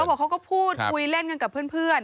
บอกเขาก็พูดคุยเล่นกันกับเพื่อน